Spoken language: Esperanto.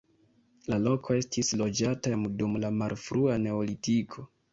La loko estis loĝata jam dum la malfrua neolitiko.